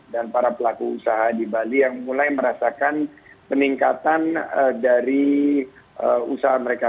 para pelaku usaha di bali yang mulai merasakan peningkatan dari usaha mereka